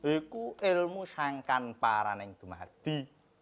aku ilmu sangkan parah yang dimati